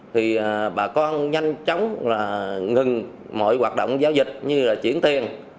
thì bà con nhanh chóng là ngừng mọi hoạt động giao dịch như là chuyển tiền